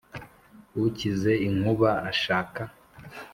• ukize inkuba ashaka